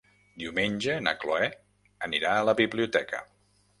Diumenge na Cloè anirà a la biblioteca.